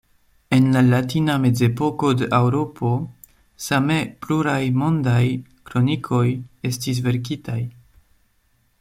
En la latina mezepoko de Eŭropo same pluraj mondaj kronikoj estis verkitaj.